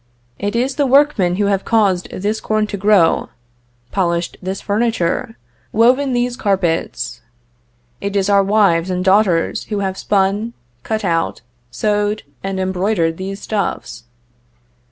It is the workmen who have caused this corn to grow, polished this furniture, woven these carpets; it is our wives and daughters who have spun, cut out, sewed, and embroidered these stuffs.